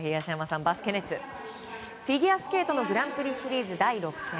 フィギュアスケートのグランプリシリーズ第６戦。